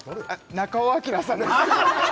中尾彬さんですね